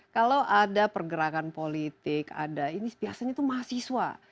kalau ada pergerakan politik ada ini biasanya itu mahasiswa